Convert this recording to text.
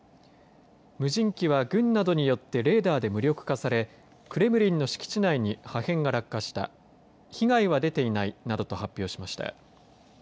無人機は軍などによってレーダーで無力化されクレムリンの敷地内に破片が落下した被害は出ていないなどと発表しました。